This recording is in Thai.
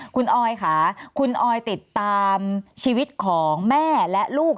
คุณออยค่ะคุณออยติดตามชีวิตของแม่และลูก